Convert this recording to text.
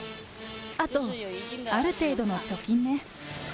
あと、ある程度の貯金ね。